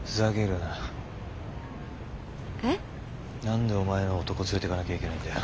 何でお前の男連れてかなきゃいけないんだよ。